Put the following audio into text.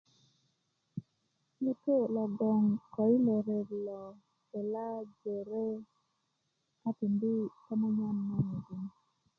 ŋutú logoŋ ko i lo ret lo kulá jore a tindi tomunyan na muŋun